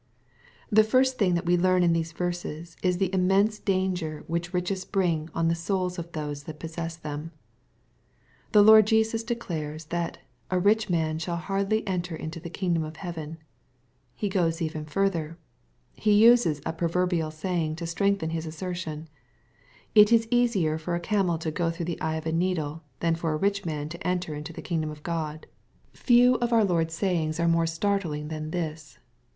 The first thing that we learn in these verses, is the im mense danger which riches bring on the souls of those that possess them. The Lord Jesus declares, that ^' A rich man shall hardly enter into the kingdom of heaven." He goes even further. He uses a proverbial sayirg to strengthen His assertion :" It is easier for a camel to go through the eye of a needle, than for a rich man to enter into the kingdom of God." Few of our Lord's sayings sound more startling than 11 242 EXPOSITOKY 1 HOUGH W. tliis.